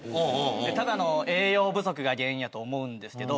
ただの栄養不足が原因やと思うんですけど。